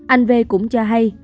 anh v cũng cho hay